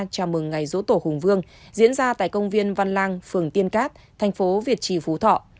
chào mừng ngày rỗ tổ hùng vương diễn ra tại công viên văn lang phường tiên cát thành phố việt trì phú thọ